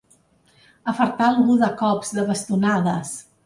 Afartar algú de cops, de bastonades.